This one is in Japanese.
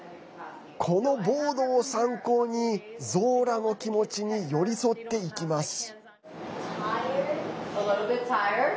このボードを参考にゾーラの気持ちに寄り添っていきます。